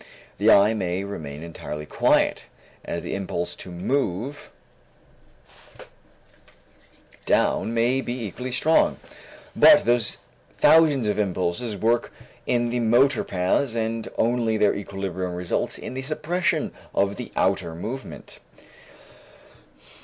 The eye may remain entirely quiet as the impulse to move to the right and to the left, to move up and to move down, may be equally strong, but those thousands of impulses work in the motor paths and only their equilibrium results in the suppression of the outer movement.